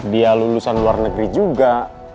dia lulusan luar negeri juga